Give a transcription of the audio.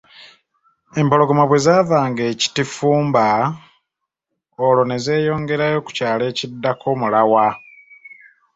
Empologoma bwe zaavanga e Kitifumba, olwo ne zeeyongerayo ku kyalo ekiddako, Mulawa.